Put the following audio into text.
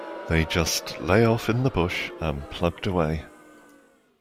They just lay off in the bush and plugged away.